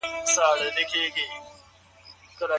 خوشحاله ژوند څنګه ترلاسه کیږي؟